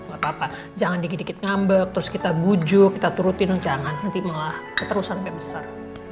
gak apa apa jangan dikit dikit ngambek terus kita bujuk kita turutin jangan nanti malah keterus sampai besar